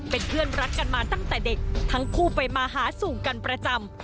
เป็นเพื่อนรักกันมาตั้งแต่เด็กทั้งคู่ไปมาหาสู่กันประจำ